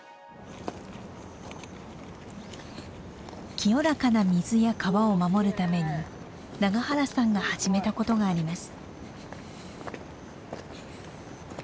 清らかな水や川を守るために永原さんが始めたことがあります。